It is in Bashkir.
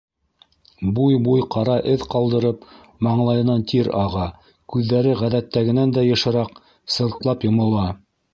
Буй-буй ҡара эҙ ҡалдырып, маңлайынан тир аға, күҙҙәре ғәҙәттәгенән дә йышыраҡ сылтлап йомола.